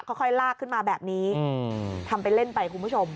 ค่อยลากขึ้นมาแบบนี้ทำเป็นเล่นไปคุณผู้ชม